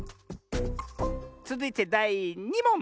つづいてだい２もん！